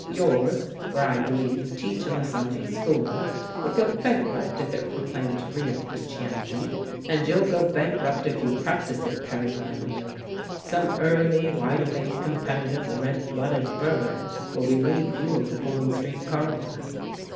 Yours, where I believe you teach in the Sunday school, would go bankrupt if it proclaimed real Christianity. And you'll go bankrupt if you practise it, Perry, my boy. Some early, wide awake, competitive, red blooded bird will relieve you of the Boyne Street car line."